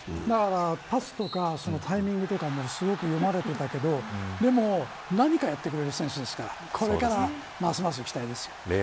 パスとかタイミングとかも読まれていたけど何かやってくれる選手ですからこれからはますます期待です。